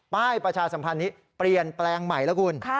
ประชาสัมพันธ์นี้เปลี่ยนแปลงใหม่แล้วคุณ